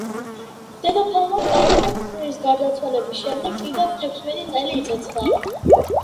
დედოფალმა კაროლინამ ქმრის გარდაცვალების შემდეგ კიდევ თექვსმეტი წელი იცოცხლა.